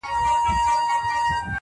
o چيري ترخه بمبل چيري ټوکيږي سره ګلونه,